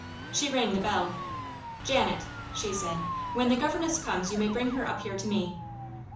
She rang the bell. "Janet," she said, "when the governess comes you may bring her up here to me."